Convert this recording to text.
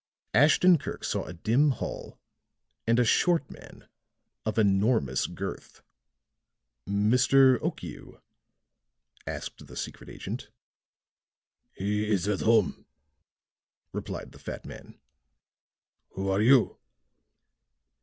Ashton Kirk saw a dim hall and a short man of enormous girth. "Mr. Okiu?" asked the secret agent. "He is at home," replied the fat man. "Who are you?"